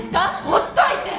放っといて！